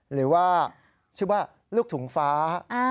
หรือว่าชื่อว่าลูกถุงฟ้า